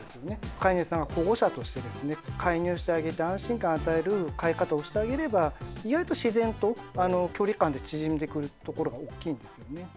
飼い主さんが保護者としてですね介入してあげて安心感与える飼い方をしてあげれば意外と自然と距離感って縮んでくるところが大きいんですよね。